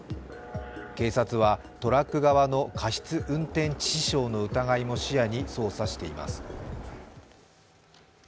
警察は、トラック側の過失運転致死傷の疑いも視野に捜査しています。